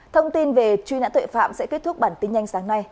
thông tin về truy nãn tuệ phạm sẽ kết thúc bản tin nhanh sáng nay